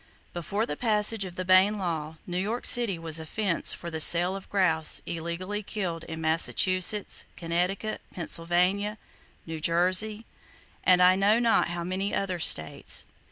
Before the passage of the Bayne law, New York City was a "fence" for the sale of grouse illegally killed in Massachusetts, Connecticut, Pennsylvania, New Jersey and I know not how many other states.